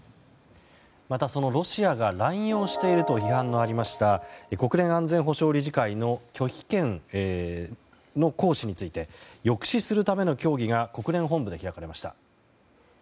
そのロシアが乱用していると批判があった国連安全保障理事会の拒否権の行使について抑止するための協議が国連本部で開かれました。